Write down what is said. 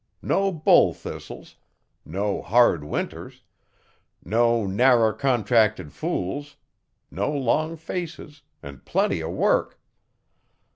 No bull thistles, no hard winters, no narrer contracted fools; no long faces, an' plenty o' work.